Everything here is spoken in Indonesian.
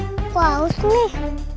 wah aus nih